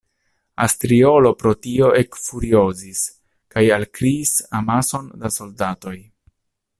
Astriolo pro tio ekfuriozis kaj alkriis amason da soldatoj.